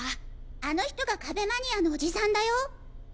あの人が壁マニアのオジさんだよ！